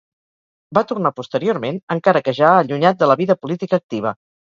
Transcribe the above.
Va tornar posteriorment, encara que ja allunyat de la vida política activa.